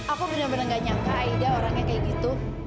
aku bener bener gak nyangka aida orangnya kayak gitu